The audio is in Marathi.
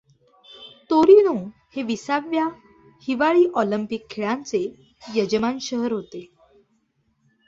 तोरिनो हे विसाव्या हिवाळी ऑलिंपिक खेळांचे यजमान शहर होते.